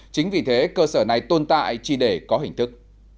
chính vì thế cơ sở này tồn tại chi đề có hình thức